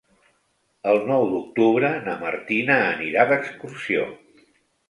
El nou d'octubre na Martina anirà d'excursió.